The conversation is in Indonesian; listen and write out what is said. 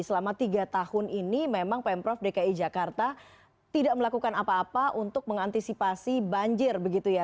selama tiga tahun ini memang pemprov dki jakarta tidak melakukan apa apa untuk mengantisipasi banjir begitu ya